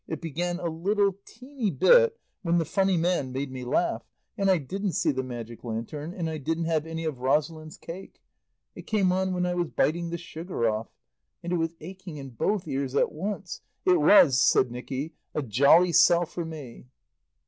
It began a little, teeny bit when the Funny Man made me laugh. And I didn't see the Magic Lantern, and I didn't have any of Rosalind's cake. It came on when I was biting the sugar off. And it was aching in both ears at once. It was," said Nicky, "a jolly sell for me."